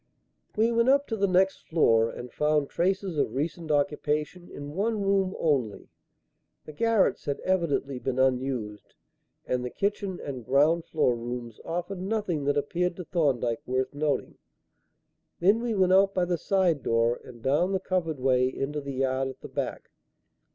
We went up to the next floor and found traces of recent occupation in one room only. The garrets had evidently been unused, and the kitchen and ground floor rooms offered nothing that appeared to Thorndyke worth noting. Then we went out by the side door and down the covered way into the yard at the back.